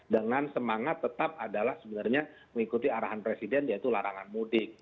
dengan semangat tetap adalah sebenarnya mengikuti arahan presiden yaitu larangan mudik